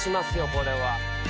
これは。